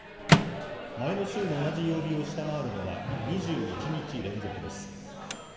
前の週の同じ曜日を下回るのは、２１日連続です。